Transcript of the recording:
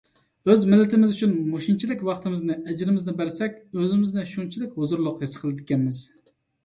ئۆز مىللىتىمىز ئۈچۈن مۇشۇنچىلىك ۋاقتىمىزنى، ئەجرىمىزنى بەرسەك، ئۆزىمىزنى شۇنچىلىك ھۇزۇرلۇق ھېس قىلىدىكەنمىز.